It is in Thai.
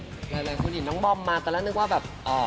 คุณเห็นน้องบอมมาแต่ละนึกว่าแบบ